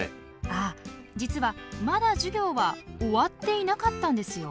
ああ実はまだ授業は終わっていなかったんですよ。